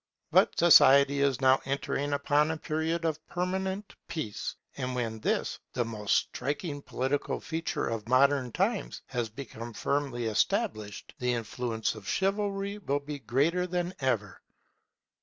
But society is now entering upon a period of permanent peace; and when this, the most striking political feature of modern times, has become firmly established, the influence of Chivalry will be greater than ever.